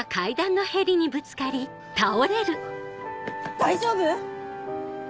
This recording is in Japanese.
大丈夫⁉